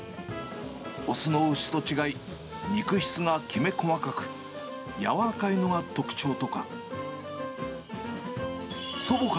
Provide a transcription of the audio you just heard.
雄の牛と違い、肉質がきめ細かく、柔らかいのが特徴とか。